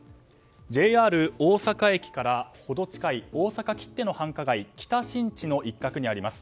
ＪＲ大阪駅から程近い大阪きっての繁華街・北新地の一角にあります。